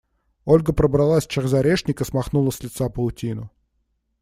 Ольга пробралась через орешник и смахнула с лица паутину.